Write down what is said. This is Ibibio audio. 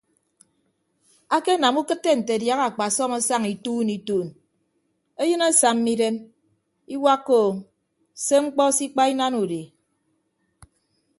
Akenam ukịtte nte adiaha akpasọm asaña ituun ituun eyịn asamma idem iwakka ou se mkpọ se ikpa inana udi.